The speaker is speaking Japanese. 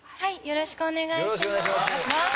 よろしくお願いします。